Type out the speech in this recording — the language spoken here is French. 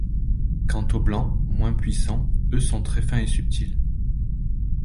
Quant aux blancs, moins puissants, eux sont très fins et subtils.